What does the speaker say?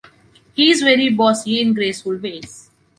He is very bossy in graceful ways.